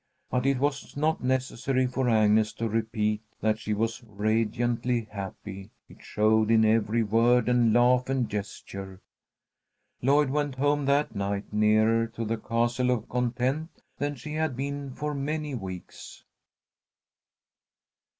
But it was not necessary for Agnes to repeat that she was radiantly happy. It showed in every word and laugh and gesture. Lloyd went home that night nearer to the Castle of Content than she had been for many weeks.